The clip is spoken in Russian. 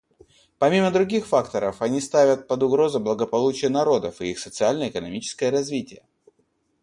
Помимо других факторов, они ставят под угрозу благополучие народов и их социально-экономическое развитие.